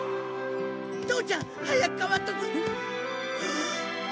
父ちゃん早く代わっとく。